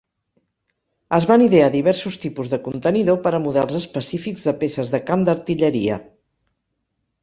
Es van idear diversos tipus de contenidor per a models específics de peces de camp d'artilleria.